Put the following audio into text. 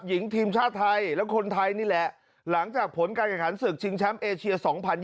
หญิงทีมชาติไทยและคนไทยนี่แหละหลังจากผลการแข่งขันศึกชิงแชมป์เอเชีย๒๐๒๐